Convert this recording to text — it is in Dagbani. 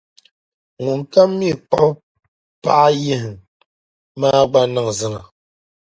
ŋunkam mi kpuɣ’ paɣiyihiŋ maa gba niŋ zina.